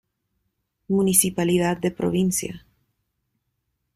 Municipalidad de Providencia.